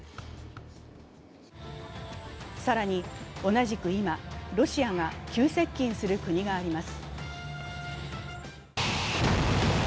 更に、同じく今、ロシアが急接近する国があります。